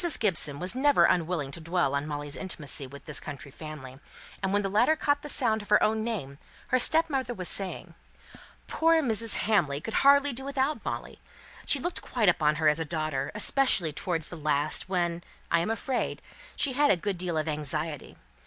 Gibson was never unwilling to dwell upon Molly's intimacy with this county family; and when the latter caught the sound of her own name, her stepmother was saying, "Poor Mrs. Hamley could hardly do without Molly; she quite looked upon her as a daughter, especially towards the last, when, I am afraid, she had a good deal of anxiety.